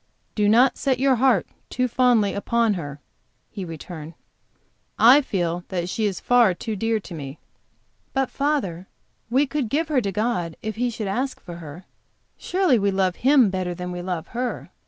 "Do not set your heart too fondly upon her," he returned. "I feel that she is far too dear to me." "But, father, we could give her to God if He should ask for her Surely, we love Him better than we love her."